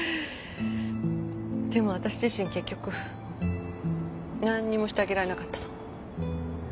でもわたし自身結局何にもしてあげられなかったの。